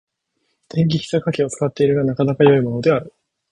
電気ひざかけを使っているが、なかなか良いものである。